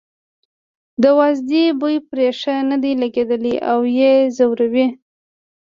د وازدې بوی پرې ښه نه دی لګېدلی او یې ځوروي.